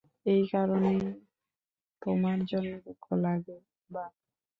এই কারণে তোমার জন্য দুঃখ লাগে, বাক।